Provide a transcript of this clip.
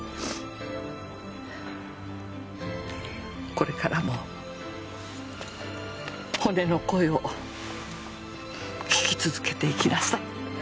これからも骨の声を聞き続けていきなさい。